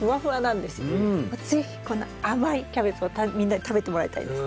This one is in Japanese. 是非この甘いキャベツをみんなに食べてもらいたいですね。